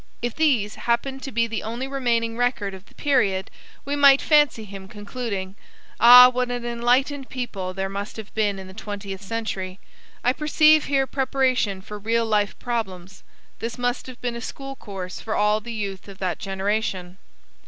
If these happened to be the only remaining record of the period, we might fancy him concluding, "Ah, what an enlightened people there must have been in the twentieth century. I perceive here preparation for real life problems. This must have been a school course for all the Youth of that generation."